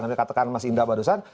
nanti katakan mas indra barusan